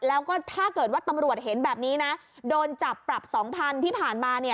แล้วก็ถ้าเกิดว่าตำรวจเห็นแบบนี้นะโดนจับปรับ๒๐๐๐ที่ผ่านมาเนี่ย